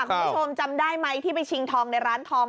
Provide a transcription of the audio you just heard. คุณผู้ชมจำได้ไหมที่ไปชิงทองในร้านทอง